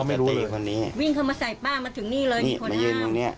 พ่อไม่รู้เลยวิ่งเขามาใส่ป้ามาถึงนี่เลยมีคนห้ามนี่มายืนตรงนี้